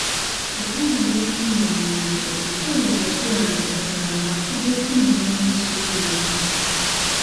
Okwewala okumenya emizizo omusawo bwe yakuwanga eddagala ng'afuba okkumenyera emizizo gyonna.